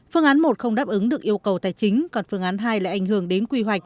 phương án một không đáp ứng được yêu cầu tài chính còn phương án hai lại ảnh hưởng đến quy hoạch